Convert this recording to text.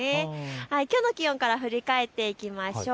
きょうの気温から振り返っていきましょう。